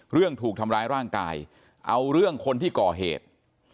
เรื่องถูกทำร้ายร่างกายเอาเรื่องคนที่ก่อเหตุ